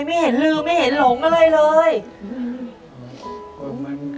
ไม่เห็นลืมไม่เห็นหลงอะไรเลยอืม